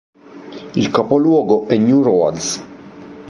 Il capoluogo è New Roads.